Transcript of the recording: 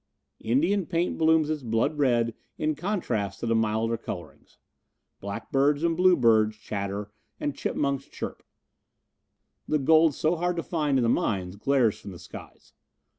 Indian paint blooms its blood red in contrast to the milder colorings. Blackbirds and bluebirds chatter and chipmunks chirp. The gold so hard to find in the mines glares from the skies.